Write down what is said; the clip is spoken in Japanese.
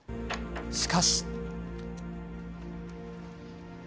しかし。